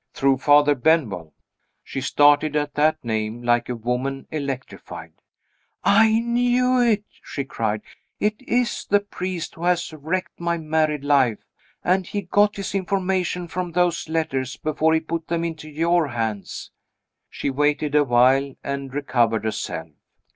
"Through Father Benwell." She started at that name like a woman electrified. "I knew it!" she cried. "It is the priest who has wrecked my married life and he got his information from those letters, before he put them into your hands." She waited a while, and recovered herself.